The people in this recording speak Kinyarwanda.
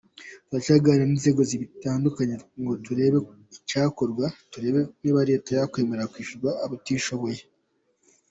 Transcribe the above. Turacyaganira n’inzego zitandukanye ngo turebe icyakorwa, turebe niba leta yakwemera kwishyurira abatishoboye.